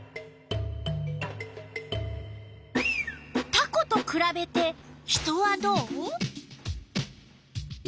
タコとくらべて人はどう？